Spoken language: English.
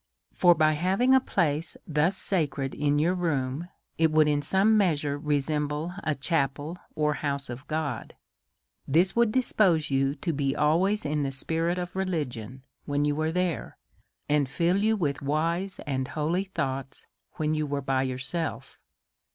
For, | by having a place thus sacred in your room, it would t in some measure resemble a chapci, or house of God. This would dispose you to be always in the spirit of religion when you was there, and till you with wise and holy thoughts when you was by yourself.